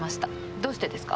どうしてですか？